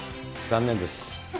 残念です。